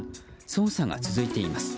捜査が続いています。